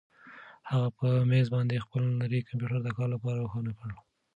هغه په مېز باندې خپل نری کمپیوټر د کار لپاره روښانه کړ.